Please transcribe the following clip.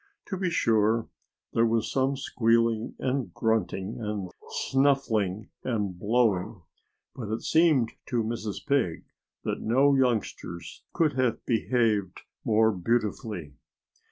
To be sure, there was some squealing and grunting, and some snuffling and blowing. But it seemed to Mrs. Pig that no youngsters could have behaved more beautifully.